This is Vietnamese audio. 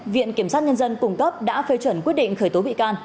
viện kiểm sát nhân dân cung cấp đã phê chuẩn quyết định khởi tố bị can